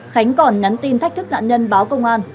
khánh còn nhắn tin thách thức nạn nhân báo công an